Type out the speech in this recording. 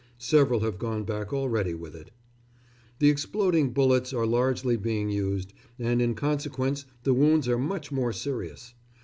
Several have gone back already with it.... The exploding bullets are largely being used, and in consequence the wounds are much more serious.